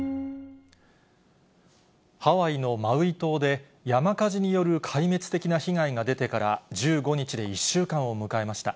ハワイのマウイ島で、山火事による壊滅的な被害が出てから、１５日で１週間を迎えました。